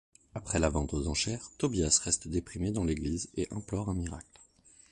Après la vente aux enchères, Tobias reste déprimé dans l'église et implore un miracle.